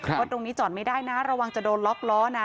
ว่าตรงนี้จอดไม่ได้นะระวังจะโดนล็อกล้อนะ